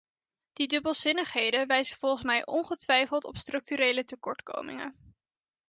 Die dubbelzinnigheden wijzen volgens mij ongetwijfeld op structurele tekortkomingen.